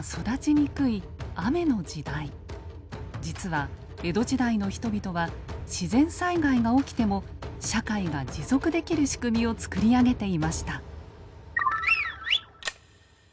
実は江戸時代の人々は自然災害が起きても社会が持続できる仕組みを作り上げていました。